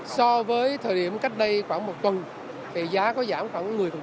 so với thời điểm cách đây khoảng một tuần thì giá có giảm khoảng một mươi